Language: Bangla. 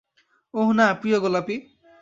ওহ, না, প্রিয়, গোলাপী।